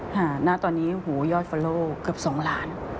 หน้าตอนนี้ยอดฟอร์โล่เกือบสองหลาน